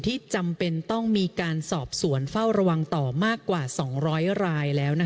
จำเป็นต้องมีการสอบสวนเฝ้าระวังต่อมากกว่า๒๐๐รายแล้ว